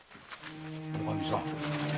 おかみさん